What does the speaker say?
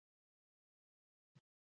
زه د رسنیو له لارې خلک پېژنم.